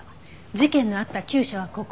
事件のあった厩舎はここ。